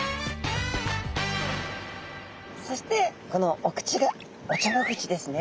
そしてこのお口がおちょぼ口ですね。